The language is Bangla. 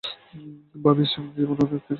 ভাবিস জীবনে অনেক কিছু অর্জন করে ফেলেছিস।